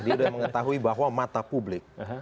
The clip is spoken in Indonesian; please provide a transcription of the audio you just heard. dia sudah mengetahui bahwa mata publik